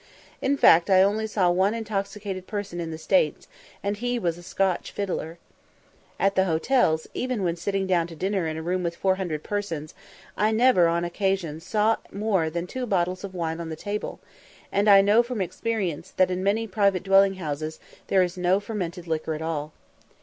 In fact, I only saw one intoxicated person in the States, and he was a Scotch fiddler. At the hotels, even when sitting down to dinner in a room with four hundred persons, I never on any occasion saw more than two bottles of wine on the table, and I know from experience that in many private dwelling houses there is no fermented liquor at all.